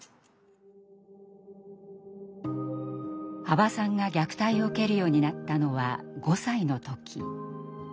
羽馬さんが虐待を受けるようになったのは５歳の時。